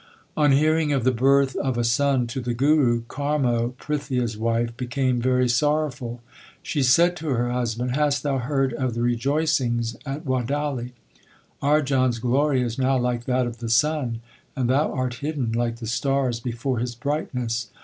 3 On hearing of the birth of a son to the Guru, Karmo, Prithia s wife, became very sorrowful. She said to her husband : Hast thou heard of the rejoic ings at Wadali ? Arjan s glory is now like that of the sun, and thou art hidden like the stars before his brightness.